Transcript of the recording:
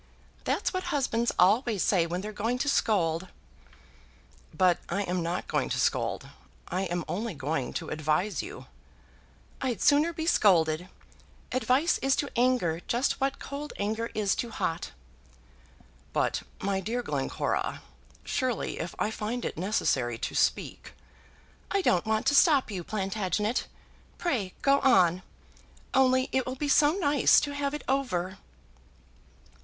"That's what husbands always say when they're going to scold." "But I am not going to scold. I am only going to advise you." "I'd sooner be scolded. Advice is to anger just what cold anger is to hot." "But, my dear Glencora, surely if I find it necessary to speak " "I don't want to stop you, Plantagenet. Pray, go on. Only it will be so nice to have it over."